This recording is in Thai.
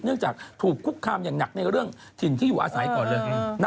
จากถูกคุกคามอย่างหนักในเรื่องถิ่นที่อยู่อาศัยก่อนเลย